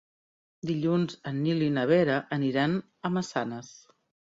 Dilluns en Nil i na Vera aniran a Massanes.